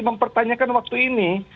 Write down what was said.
mempertanyakan waktu ini